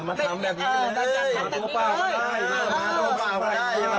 ไม่น่าจะล้อเล่นแบบนี้ล้อเล่นแบบนี้จงใจมากค่ะนะ